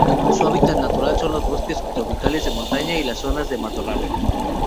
Su hábitat natural son los bosques subtropicales de montaña y las zonas de matorral.